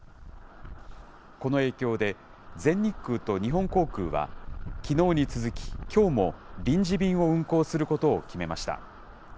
この影響で、全日空と日本航空は、きのうに続ききょうも、臨時便を運航することを決めました。